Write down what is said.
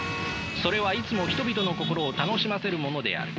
それはいつも人々の心を楽しませるものである。